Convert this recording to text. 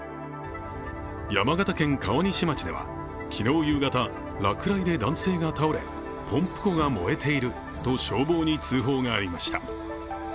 山形県川西町では昨日夕方落雷で男性が倒れ、ポンプ庫が燃えていると消防に通報がありました。